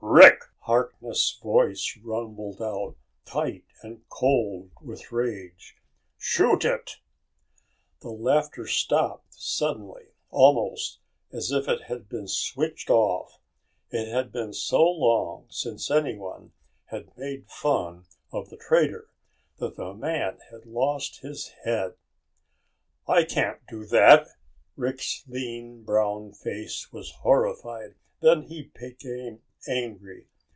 "Rick!" Harkness' voice rumbled out, tight and cold with rage. "Shoot it!" The laughter stopped suddenly, almost as if it had been switched off. It had been so long since anyone had made fun of the trader that the man had lost his head. "I can't do that!" Rick's lean brown face was horrified. Then he became angry.